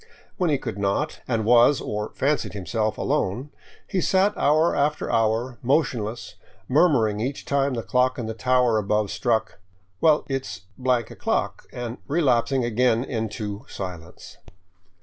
When he could not, and was, or fancied himself, alone, he sat hour after hour motionless, murmuring each time the clock in the tower above struck, " Well, it 's o'clock," and relapsing again into silence.